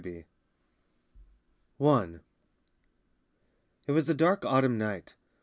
CHEKHOV I It was a dark autumn night.